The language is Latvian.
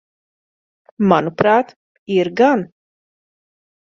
Manuprāt, ir gan.